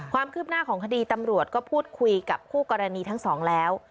ความคืบหน้าของคดีตำรวจก็พูดคุยกับคู่กรณีทั้งสองแล้ว